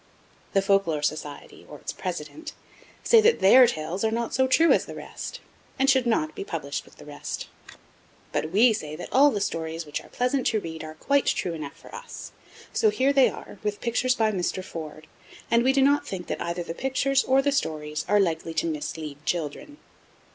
The Folk Lore Society, or its president, say that THEIR tales are not so true as the rest, and should not be published with the rest. But WE say that all the stories which are pleasant to read are quite true enough for us; so here they are, with pictures by Mr. Ford, and we do not think that either the pictures or the stories are likely to mislead children.